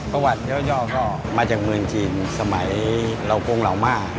ประวัติย่อก็มาจากเมืองจีนสมัยเหล่ากงเหล่าม่า